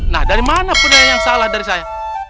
nah dari mana punya yang salah dari saya